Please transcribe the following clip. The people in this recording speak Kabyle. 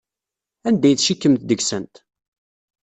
Anda ay tcikkemt deg-sent?